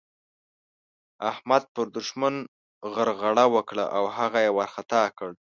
احمد پر دوښمن غرغړه وکړه او هغه يې وارخطا کړ.